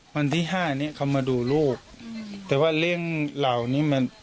วันที่ห้าเนี้ยเขามาดูลูกแต่ว่าเรื่องเหล่านี้มัน